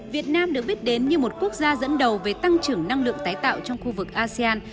việt nam được biết đến như một quốc gia dẫn đầu về tăng trưởng năng lượng tái tạo trong khu vực asean